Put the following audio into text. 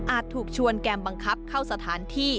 ถูกชวนแกมบังคับเข้าสถานที่